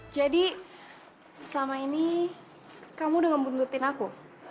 jadi selama ini kamu udah ngebuntutin aku